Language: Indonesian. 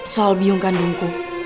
soal biung kandungku